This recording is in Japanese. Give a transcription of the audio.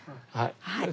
はい。